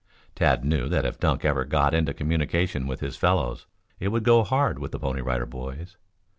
Tad knew that if Dunk ever got into communication with his fellows it would go hard with the Pony Rider Boys.